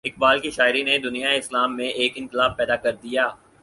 اقبال کی شاعری نے دنیائے اسلام میں ایک انقلاب پیدا کر دیا۔